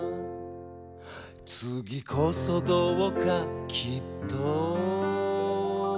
「次こそどうかきっと」